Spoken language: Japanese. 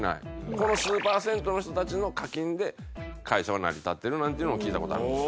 この数パーセントの人たちの課金で会社は成り立ってるなんていうのを聞いた事があります。